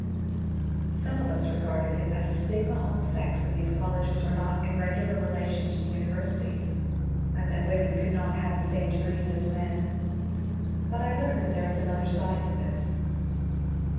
Some of us regarded it as a stigma on the sex that these colleges were not in regular rela 292 MONCUEE DANIEL CONWAY tion to the universities, and that women could not have the same degrees as men. But I learned that there is another side to this.